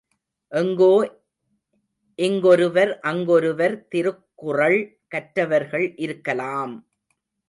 எங்கோ இங்கொருவர் அங்கொருவர் திருக்குறள் கற்றவர்கள் இருக்கலாம்!